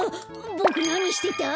ボクなにしてた？